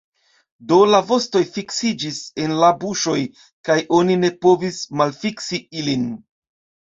Do, la vostoj fiksiĝis en la buŝoj, kaj oni ne povis malfiksi ilin.